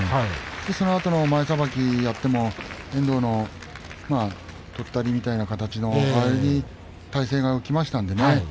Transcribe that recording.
そのあとの前さばきやっても遠藤のとったりみたいな形の前に体勢が浮きましたからね。